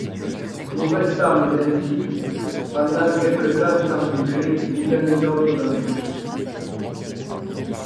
Nous restâmes ainsi pendant quelque temps sans bouger ni l'un ni l'autre d'un pouce.